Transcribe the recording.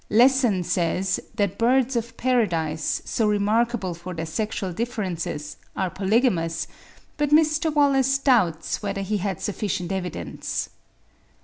Lesson says that birds of paradise, so remarkable for their sexual differences, are polygamous, but Mr. Wallace doubts whether he had sufficient evidence.